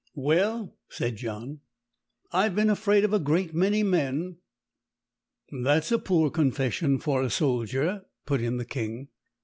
"Well," said John, "I've been afraid of a great many men " "That's a poor confession for a soldier," put in the King.